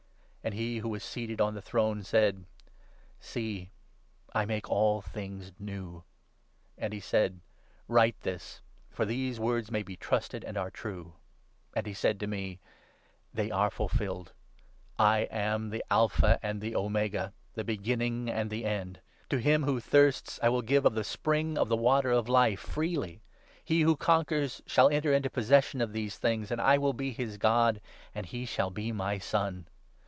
And he who was seated on the 5 throne said —' See, I make all things new !' And he said — 'Write this, for these words may be trusted and are true.' And he said to me —' They are fulfilled. I am the Alpha and 6 the Omega, the Beginning and the End. To him who thirsts I will give of the spring of the Water of Life, freely. He who 7 conquers shall enter into possession of these things, and I will be his God, and he shall be my Son.